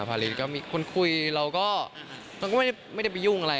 พารินก็มีคนคุยเราก็ไม่ได้ไปยุ่งอะไร